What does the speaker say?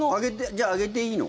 じゃあ、あげていいの？